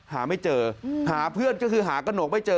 หาไม่เจอหาเพื่อนก็คือหากระหนกไม่เจอ